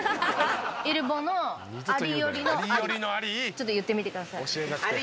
ちょっと言ってみてください。